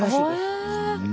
へえ。